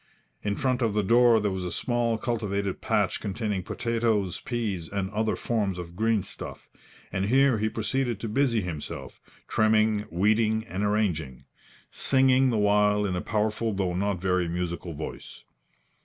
In front of the door there was a small cultivated patch containing potatoes, peas and other forms of green stuff, and here he proceeded to busy himself, trimming, weeding and arranging, singing the while in a powerful though not very musical voice.